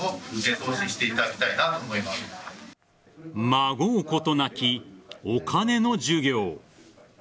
まごうことなき、お金の授業。